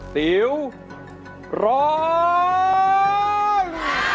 ติ๋วร้อง